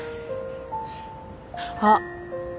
あっ。